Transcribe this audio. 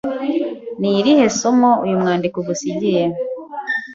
Ni irihe somo uyu mwandiko ugusigiye